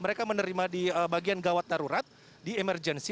mereka menerima di bagian gawat darurat di emergency